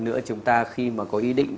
nữa chúng ta khi mà có ý định